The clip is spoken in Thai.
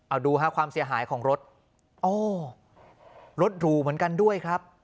เอาดูฮะความเสียหายของรถโอ้รถหรูเหมือนกันด้วยครับ